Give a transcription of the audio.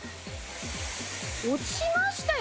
落ちましたよね。